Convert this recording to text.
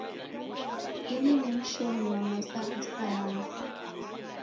Ini ne mshomi wa maza ra sayansi.